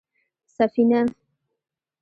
_سفينه؟